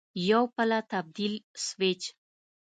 یو پله تبدیل سویچ